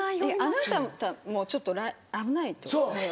あなたもちょっと危ないってことよ。